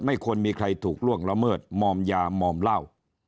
ควรมีใครถูกล่วงละเมิดมอมยามอมเหล้า